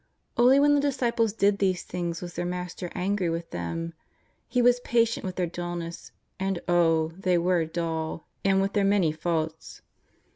Only when the disciples did these things was their Master angry with them. He was patient with their dulness — and, oh! they were dull — and with their many faults.